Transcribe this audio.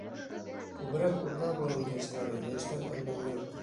Күберәк урта быуын кешеләре, йәштәр әллә ни юҡ.